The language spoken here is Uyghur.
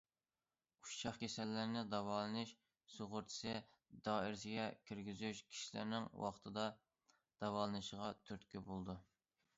ئۇششاق كېسەللەرنى داۋالىنىش سۇغۇرتىسى دائىرىسىگە كىرگۈزۈش كىشىلەرنىڭ ۋاقتىدا داۋالىنىشىغا تۈرتكە بولىدۇ.